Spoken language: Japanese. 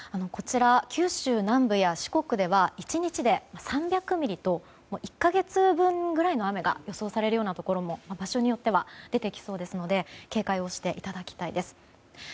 九州南部や四国では１日で３００ミリと１か月分ぐらいの雨が予想されるようなところも場所によっては出てきそうですので警戒をしていただきたいです。